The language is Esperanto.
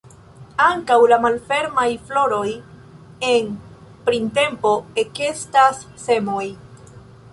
Ankaŭ la malfermaj floroj en printempo ekestas semoj.